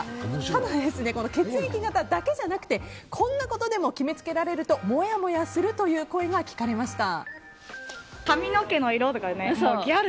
ただ血液型だけじゃなくてこんなことでも決めつけられるともやもやするという声が聞かれました。